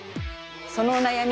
そのお悩み